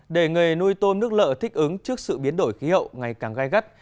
để nghề nuôi tôm nước lợ thích ứng trước sự biến đổi khí hậu ngày càng gai gắt